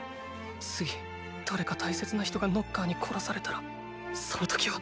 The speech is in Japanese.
次誰か大切な人がノッカーに殺されたらその時は！